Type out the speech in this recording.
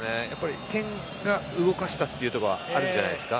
点が動かしたというのはあるんじゃないですか。